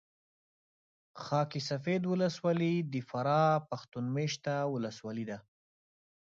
خاک سفید ولسوالي د فراه پښتون مېشته ولسوالي ده